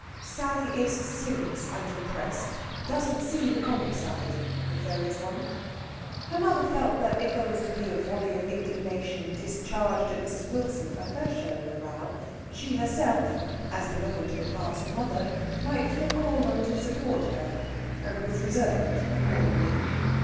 Sally is serious and impressed; doesn't see the comic side, if there is one. Her mother felt that if there was to be a volley of indignation discharged at Mrs. Wilson for her share in the row, she herself, as belonging to the class mother, might feel called on to support her, and was reserved accordingly.